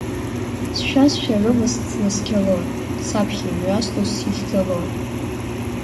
Сшәа сшәарымызт снаскьалон, саԥхьа имҩаслоз сихьӡалон.